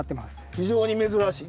非常に珍しい。